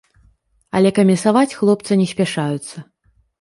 Але камісаваць хлопца не спяшаюцца.